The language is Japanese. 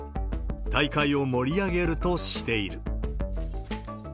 大会を盛り上げるとしている。